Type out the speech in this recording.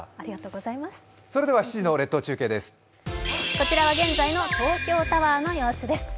こちらは現在の東京タワーの様子です。